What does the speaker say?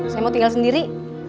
saya mau tinggal sendiri